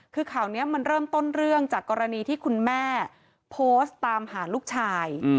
คือข่าวนี้มันเริ่มต้นเรื่องจากกรณีที่คุณแม่โพสต์ตามหาลูกชาย